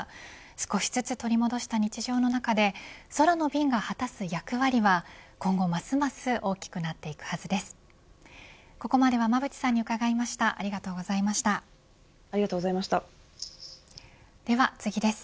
少しずつ取り戻した日常の中で空の便が果たす役割は今後ますます大きくなっていくはずです。